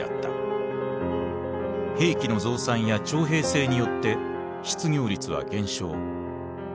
兵器の増産や徴兵制によって失業率は減少。